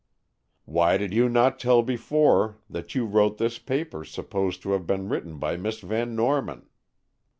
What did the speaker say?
"Why did you not tell before that you wrote this paper supposed to have been written by Miss Van Norman?"